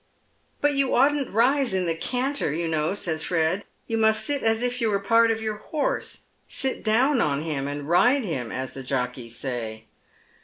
" But 3'ou oughtn't rise in the canter, you know," says Fred *' You must sit as if you were part of your horse ;' sit down on him and ride him,' as the jockeys say."